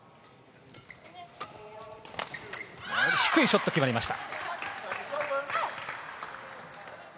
低いショット、決まりました。